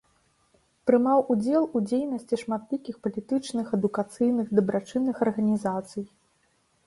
Прымаў удзел у дзейнасці шматлікіх палітычных, адукацыйных, дабрачынных арганізацый.